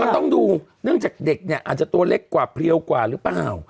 ต้องดูเนื่องจากเด็กเนี่ยอาจจะตัวเล็กกว่าเพลียวกว่าหรือเปล่า